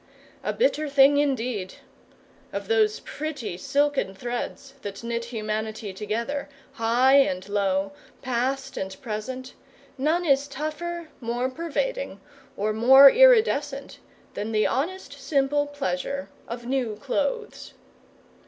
A bitter thing indeed! Of those pretty silken threads that knit humanity together, high and low, past and present, none is tougher, more pervading, or more iridescent, than the honest, simple pleasure of new clothes.